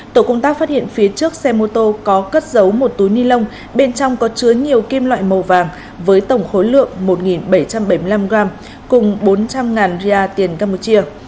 tổ công tác phát hiện phía trước xe mô tô có cất giấu một túi ni lông bên trong có chứa nhiều kim loại màu vàng với tổng khối lượng một bảy trăm bảy mươi năm gram cùng bốn trăm linh ria tiền campuchia